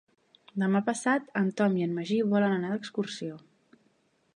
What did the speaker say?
Demà passat en Tom i en Magí volen anar d'excursió.